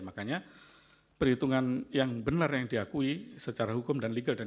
makanya perhitungan yang benar yang diakui secara hukum dan legal